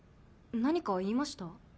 何か言いました？